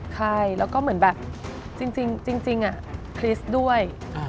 ใช่แล้วก็เหมือนแบบจริงคริสต์ด้วย